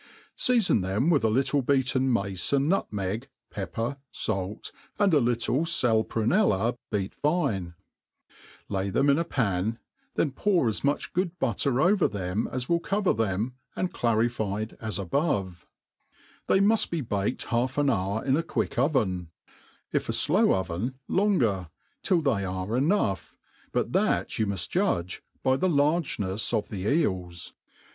Sea&n them with a little beaten mace and nutmeg, pepper, fait, and a little fal prunella beat fine; lay them in a pan, then poorras much good butter over them as will cover them, and clarified as above* They muft be baked half an hour in a quick oven ; if a flow oven longer, till they are enough, but that you muft.judge by the largenefs of the eels.